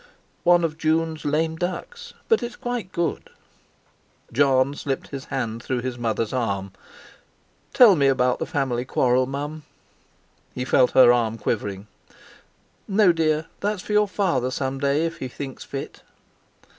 "One of June's 'lame ducks.' But it's quite good." Jon slipped his hand through his mother's arm. "Tell me about the family quarrel, Mum." He felt her arm quivering. "No, dear; that's for your Father some day, if he thinks fit."